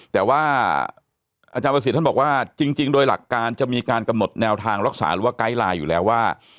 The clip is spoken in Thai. แต่ว่าอาจารย์ประสิทธิ์ท่านบอกว่าจริงโดยหลักการจะมีการกำหนดแนวทางรักษาหรือว่าไกด์ไลน์อยู่แล้วว่า